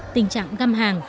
tình trạng găm hàng